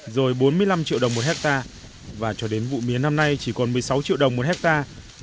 rồi bốn mươi năm triệu đồng một hectare và cho đến vụ mía năm nay chỉ còn một mươi sáu triệu đồng một hectare